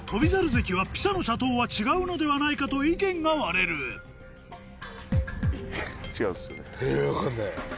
関はピサの斜塔は違うのではないかと意見が割れるえ分かんない。